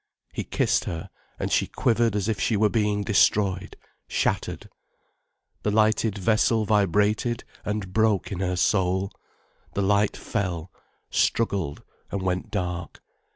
He kissed her, and she quivered as if she were being destroyed, shattered. The lighted vessel vibrated, and broke in her soul, the light fell, struggled, and went dark.